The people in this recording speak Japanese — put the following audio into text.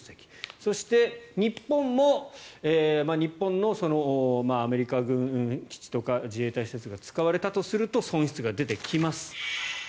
そして、日本も日本のアメリカ軍基地とか自衛隊施設が使われたとすると損失が出てきます。